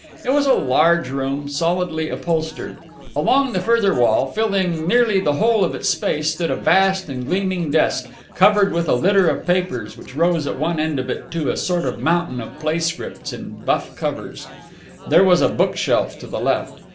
It was a large room, solidly upholstered. Along the further wall, filling nearly the whole of its space, stood a vast and gleaming desk, covered with a litter of papers which rose at one end of it to a sort of mountain of play scripts in buff covers. There was a bookshelf to the left.